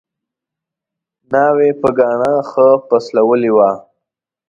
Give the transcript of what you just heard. ناوې په ګاڼه ښه پسوللې وه